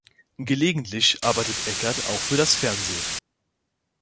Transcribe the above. Gelegentlich arbeitet Eckert auch für das Fernsehen.